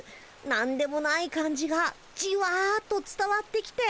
なんでもない感じがじわっとつたわってきて。